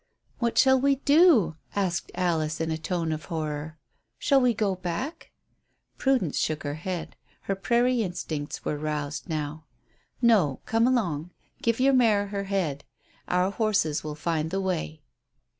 "What shall we do?" asked Alice, in a tone of horror. Then: "Shall we go back?" Prudence shook her head. Her prairie instincts were roused now. "No; come along; give your mare her head. Our horses will find the way."